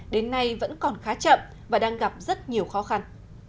đến nay vẫn còn khá chậm và đang gặp rất nhiều khó khăn